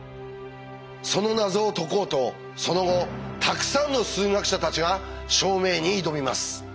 その謎を解こうとその後たくさんの数学者たちが証明に挑みます。